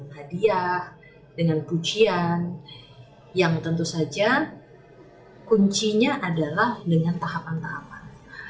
hadiah dengan pujian yang tentu saja kuncinya adalah dengan tahapan tahapan